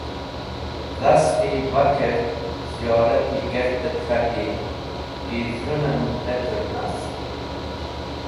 Dhasti ba kert, ziyorati kert et k̃hati ki z̃hũ en petr nast.